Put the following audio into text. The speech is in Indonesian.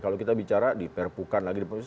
kalau kita bicara di perpukan lagi